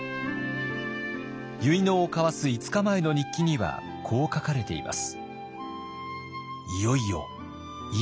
結納を交わす５日前の日記にはこう書かれています。